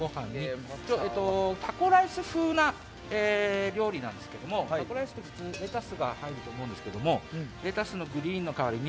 タコライス風な料理なんですけどタコライスは普通レタスが入ると思いますがレタスのグリーンの代わりに